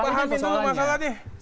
maka pahamin dulu masalahnya